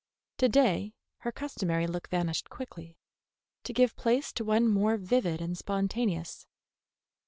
To day her customary look vanished quickly, to give place to one more vivid and spontaneous.